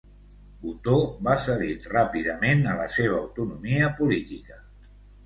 Otó va cedir ràpidament a la seva autonomia política.